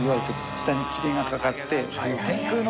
下に霧がかかって。